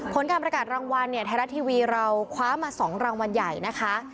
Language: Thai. ผลการประกาศรางวัลเนี่ยไทยรัฐทีวีเราคว้ามา๒รางวัลใหญ่นะคะ